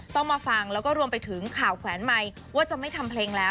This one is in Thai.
ต้องมาฟังแล้วก็รวมไปถึงข่าวแขวนไมค์ว่าจะไม่ทำเพลงแล้ว